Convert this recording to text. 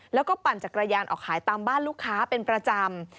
แล้วก็ปั่นจักรยานออกขายตามบ้านลูกค้าเป็นประจำ